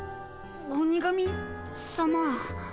鬼神さま。